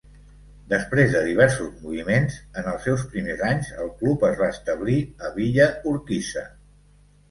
Després de diversos moviments en els seus primers anys, el club es va establir a Villa Urquiza.